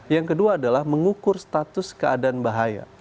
yang kedua adalah mengukur status keadaan bahaya